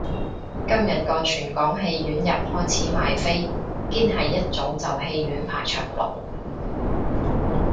今日個全港戲院日開始賣飛，堅係一早就戲院排長龍